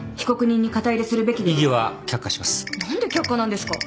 何で却下なんですか！？